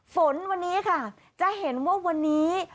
ฝนวันนี้ค่ะจะเห็นว่าวันนี้